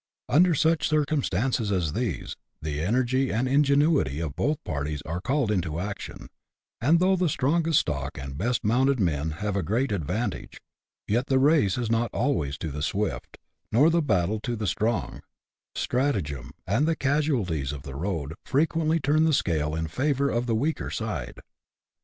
Under such circumstances, as these, the energy and ingenuity of both parties are called into action ; and though the strongest stock and best mounted men have a great advan tage, yet the race is not always to the swift, nor the battle to the strong ; stratagem, and the casualties of the road, frequently turn the scale in favour of the weaker side.